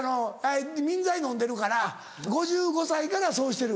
眠剤飲んでるから５５歳からそうしてる。